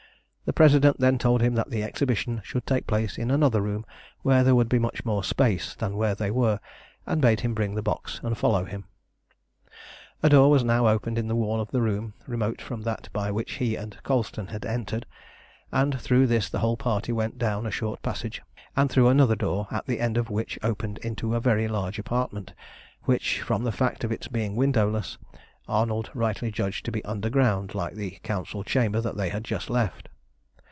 The President then told him that the exhibition should take place in another room, where there would be much more space than where they were, and bade him bring the box and follow him. A door was now opened in the wall of the room remote from that by which he and Colston had entered, and through this the whole party went down a short passage, and through another door at the end which opened into a very large apartment, which, from the fact of its being windowless, Arnold rightly judged to be underground, like the Council chamber that they had just left.